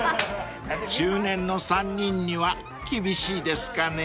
［中年の３人には厳しいですかね？］